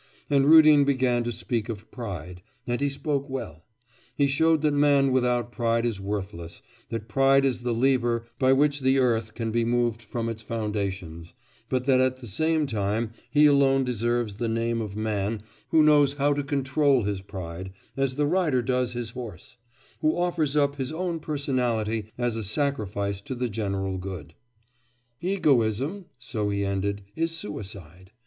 And Rudin began to speak of pride, and he spoke well. He showed that man without pride is worthless, that pride is the lever by which the earth can be moved from its foundations, but that at the same time he alone deserves the name of man who knows how to control his pride, as the rider does his horse, who offers up his own personality as a sacrifice to the general good. 'Egoism,' so he ended, 'is suicide.